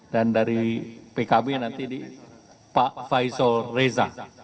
dan dari pkb nanti pak faisal reza